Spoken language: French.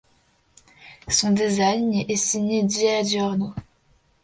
Son design est signé Giugiaro.